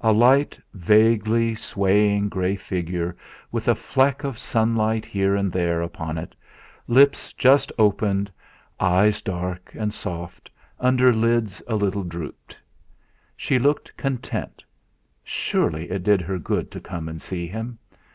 A light, vaguely swaying, grey figure with a fleck of sunlight here and there upon it, lips just opened, eyes dark and soft under lids a little drooped. She looked content; surely it did her good to come and see him!